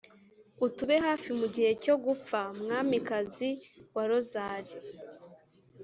uzatube hafi mu gihe cyo gupfa…mwamikazi wa rozali